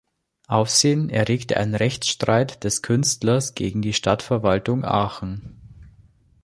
Aufsehen erregte ein Rechtsstreit des Künstlers gegen die Stadtverwaltung Aachen.